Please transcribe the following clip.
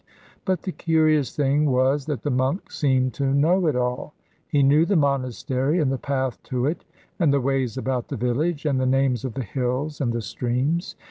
But the curious thing was that the monk seemed to know it all. He knew the monastery and the path to it, and the ways about the village, and the names of the hills and the streams.